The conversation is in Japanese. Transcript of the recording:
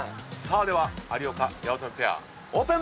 有岡・八乙女ペアオープン！